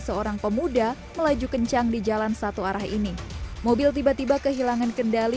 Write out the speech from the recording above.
seorang pemuda melaju kencang di jalan satu arah ini mobil tiba tiba kehilangan kendali